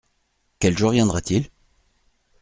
Quel jour viendra-t-il ?